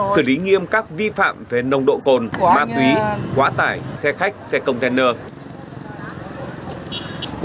xử lý nghiêm các vi phạm về nông độ cồn ma túy quả tải xe khách xe container